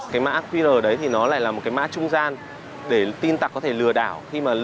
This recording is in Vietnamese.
cái mã qr đấy thì nó lại là một cái mã trung gian để tin tặc có thể lừa đảo khi mà